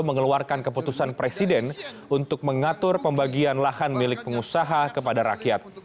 mengeluarkan keputusan presiden untuk mengatur pembagian lahan milik pengusaha kepada rakyat